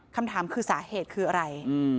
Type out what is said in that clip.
คำถามคือสาเหตุคืออะไร